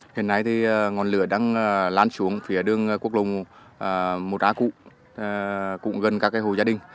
hiện nay thì ngọn lửa đang lan xuống phía đường quốc lùng một á cụ cũng gần các hồ gia đình